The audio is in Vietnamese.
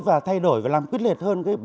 và thay đổi và làm quyết liệt hơn